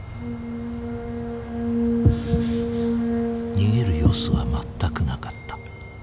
逃げる様子は全くなかった。